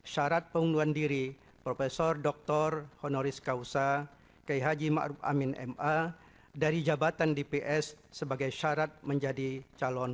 dokter doktor honoris causa kehaji ma ruf amin m a dari jabatan dps sebagai syarat menjadi calon